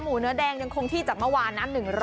หมูเนื้อแดงเดือนคงที่จากเมื่อวานนะ